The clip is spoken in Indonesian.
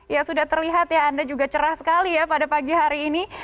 ya sudah terlihat ya anda juga cerah sekali ya pada pagi hari ini